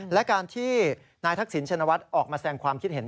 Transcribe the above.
และการที่นายทักษิณชินวัฒน์ออกมาแสงความคิดเห็น